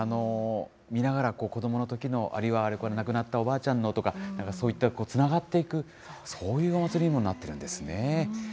見ながら、子どものときの、あれは亡くなったおばあちゃんのとか、なんかそういったつながっていく、そういうお祭りにもなってるんですね。